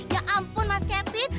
ya ampun mas kevin